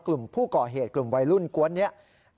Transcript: กลุ่มผู้ก่อเหตุกลุ่มวัยรุ่นกวนนี้